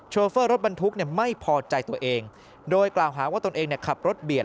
เฟอร์รถบรรทุกไม่พอใจตัวเองโดยกล่าวหาว่าตนเองขับรถเบียด